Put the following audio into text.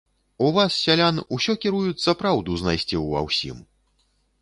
У вас, сялян, усё кіруюцца праўду знайсці ўва ўсім.